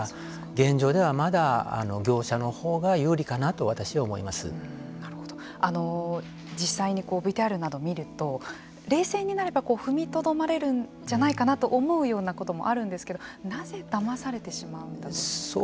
現状では、まだ業者のほうが実際にＶＴＲなどを見ると冷静になれば踏みとどまれるんじゃないかと思うようなところもあるとあるんですけどなぜ、だまされてしまうんだと。